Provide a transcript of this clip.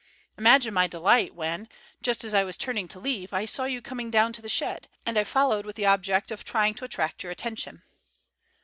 Imagine my delight when, just as I was turning to leave, I saw you coming down to the shed, and I followed with the object of trying to attract your attention."